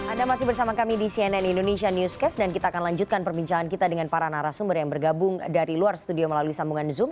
anda masih bersama kami di cnn indonesia newscast dan kita akan lanjutkan perbincangan kita dengan para narasumber yang bergabung dari luar studio melalui sambungan zoom